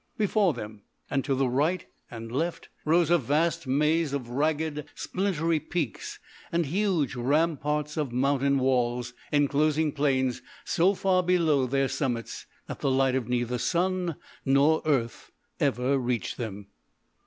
Before them and to the right and left rose a vast maze of ragged, splintery peaks and huge ramparts of mountain walls enclosing plains so far below their summits that the light of neither sun nor earth ever reached them.